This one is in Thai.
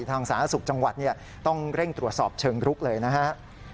ทางสหรัฐสุขจังหวัดต้องเร่งตรวจสอบเชิงลุกเลยนะครับ